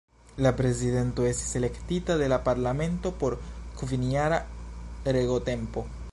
La Prezidento estis elektita de la Parlamento por kvinjara regotempo.